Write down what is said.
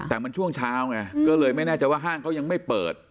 แต่มันช่วงเช้าไงก็เลยไม่แน่ใจว่าห้างเขายังไม่เปิด